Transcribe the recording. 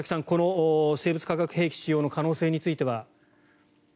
この生物・化学兵器の使用の可能性については。